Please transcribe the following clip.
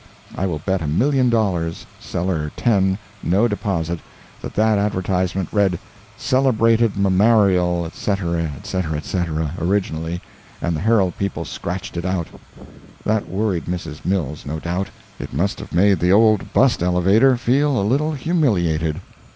I will bet a million dollars, seller ten, no deposit, that that advertisement read "Celebrated Mammarial," etc., etc., etc., originally, and the Herald people scratched it out. That worried Mrs. Mills, no doubt. It must have made the old bust elevator feel a little humiliated.